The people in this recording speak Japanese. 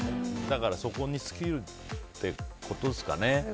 だから、そこに尽きるっていうことですかね。